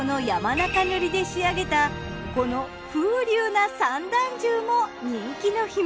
中塗で仕上げたこの風流な三段重も人気の秘密。